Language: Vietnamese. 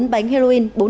bốn bánh heroin